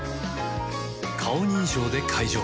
顔認証で解錠